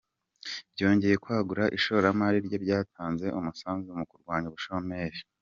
Byongeye kwagura ishoramari rye, byatanze umusanzu mu kurwanya ubushomeri.